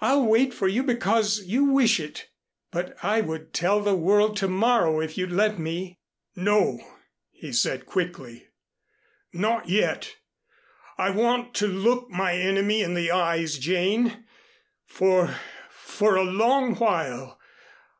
I'll wait for you because you wish it, but I would tell the world to morrow if you'd let me." "No," he said quickly. "Not yet. I want to look my Enemy in the eyes, Jane, for for a long while.